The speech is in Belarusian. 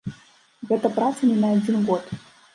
Гэта праца не на адзін год.